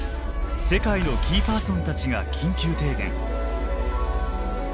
世界のキーパーソンたちが緊急提言。